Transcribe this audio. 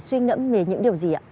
xuyên ngẫm về những điều gì ạ